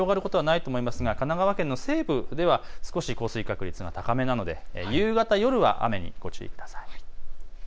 大きく北に広がることはないと思いますが神奈川県の西部では少し降水確率が高めなので夕方、夜は雨にご注意ください。